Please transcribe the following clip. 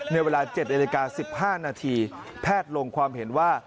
ในเวลา๗นาทีแพทย์ลงความเห็นว่า